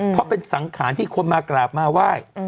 เพราะเป็นสังขารที่คนมากราบมาไหว้